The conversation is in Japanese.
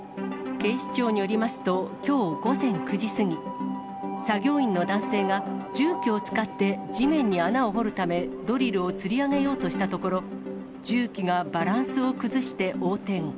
警視庁によりますと、きょう午前９時過ぎ、作業員の男性が重機を使って地面に穴を掘るため、ドリルをつり上げようとしたところ、重機がバランスを崩して横転。